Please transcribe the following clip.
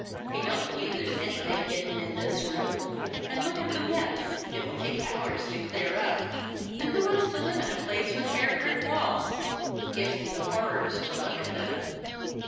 "I don't believe there's anything hidden in this room; and look at the mess, it will take hours to clear it up. And who wants to live in a place with bare brick walls? It gives me the horrors to look at them."